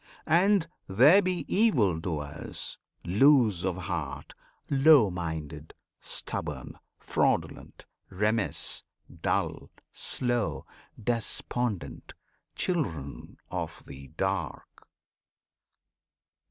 And there be evil doers; loose of heart, Low minded, stubborn, fraudulent, remiss, Dull, slow, despondent children of the "dark."